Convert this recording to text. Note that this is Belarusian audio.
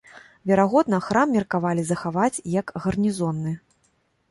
Верагодна, храм меркавалі захаваць як гарнізонны.